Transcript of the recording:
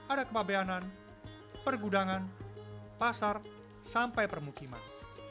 ada kepabeanan pergudangan pasar sampai permukiman